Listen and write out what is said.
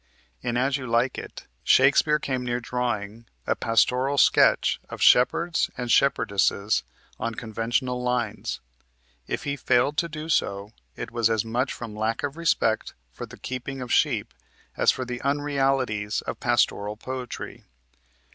In "As You Like It," Shakespeare came near drawing a pastoral sketch of shepherds and shepherdesses on conventional lines. If he failed to do so, it was as much from lack of respect for the keeping of sheep as for the unrealities of pastoral poetry.